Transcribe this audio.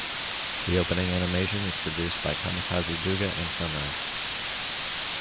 The opening animation is produced by Kamikaze Douga and Sunrise.